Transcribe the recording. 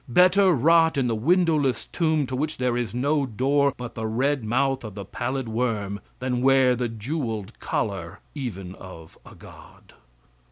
Better rot in the windowless tomb to which there is no door but the red mouth of the pallid worm, than wear the jeweled collar even of a God.